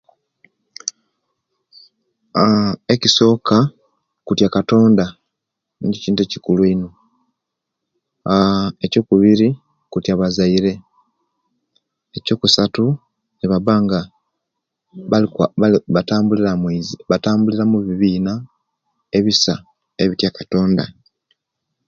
Aa ekisoka kutya katonda nikyo kintu ekyukulu ino aaa ekyokubiri kutya bazaire ekyokusatu nabanga batambulira mubibina ebisa ebitya katonda.